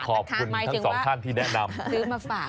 ขอบคุณทั้งสองท่านที่แนะนำ